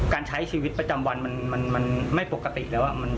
การใช้ชีวิตประจำวันมันไม่ปกติแล้ว